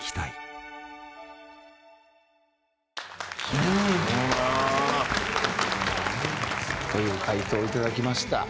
「忘れずに」という回答をいただきました。